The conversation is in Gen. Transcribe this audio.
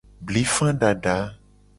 Blifa dada.